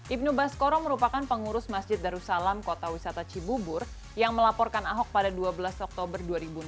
ibnu baskoro merupakan pengurus masjid darussalam kota wisata cibubur yang melaporkan ahok pada dua belas oktober dua ribu enam belas